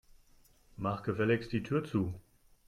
Mach gefälligst die Tür zu.